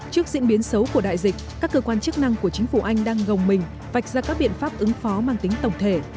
trước diễn biến xấu của đại dịch các cơ quan chức năng của chính phủ anh đang gồng mình vạch ra các biện pháp ứng phó mang tính tổng thể